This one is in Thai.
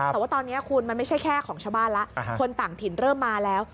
แต่ว่าตอนนี้คุณมันไม่ใช่แค่ของชาวบ้านแล้วคนต่างถิ่นเริ่มมาแล้ว